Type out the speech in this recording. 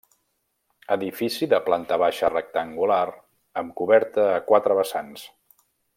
Edifici de planta baixa rectangular amb coberta a quatre vessants.